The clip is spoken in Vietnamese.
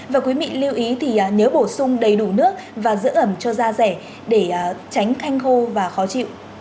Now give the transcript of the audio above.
và quý vị lưu ý thì nếu bổ sung đầy đủ nước và giữ ẩm cho da rẻ để tránh hanh khô và khó chịu